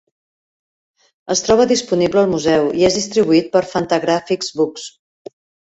Es troba disponible al museu i és distribuït per Fantagraphics Books.